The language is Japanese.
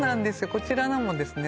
こちらのもですね